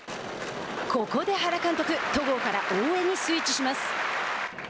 ここで原監督戸郷から大江にスイッチします。